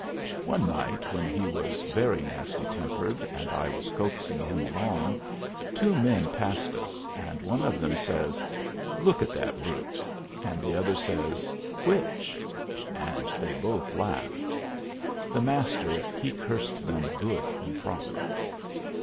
One night, when he was very nasty tempered and I was coaxing him along, two men passed us, and one of them says, "Look at that brute!" and the other asks, "Which?" and they both laugh. The Master he cursed them good and proper.